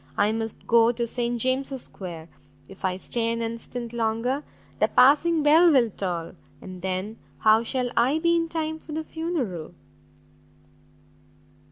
I must go to St James's square, if I stay an instant longer, the passing bell will toll, and then how shall I be in time for the funeral?"